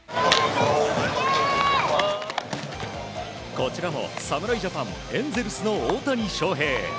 こちらも、侍ジャパンエンゼルスの大谷翔平。